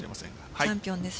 チャンピオン一家です。